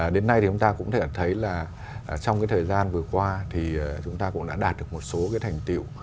đến nay thì chúng ta cũng thấy là trong thời gian vừa qua thì chúng ta cũng đã đạt được một số thành tiệu